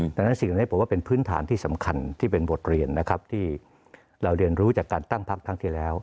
ดังนั้นสิ่งนี้ผมว่าเป็นพื้นฐานที่สำคัญที่เป็นบทเรียนนะครับที่เราเรียนรู้จากการตั้งพักครั้งที่แล้ว